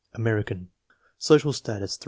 American, social status 3.